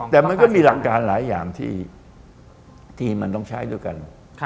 แต่มันก็มีหลักการหลายอย่างที่มันต้องใช้ด้วยกัน